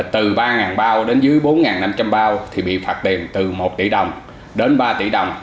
từ ba bao đến dưới bốn năm trăm linh bao thì bị phạt tiền từ một tỷ đồng đến ba tỷ đồng